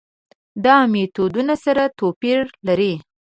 دا میتودونه سره توپیر لري.